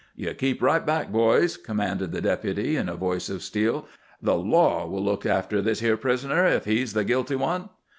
"You keep right back, boys," commanded the Deputy in a voice of steel. "The law will look after this here prisoner, if he's the guilty one."